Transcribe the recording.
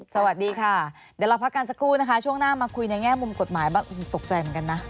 สวัสดีค่ะเดี๋ยวเราพักกันสักครู่นะคะช่วงหน้ามาคุยในแง่มุมกฎหมายบ้างตกใจเหมือนกันนะ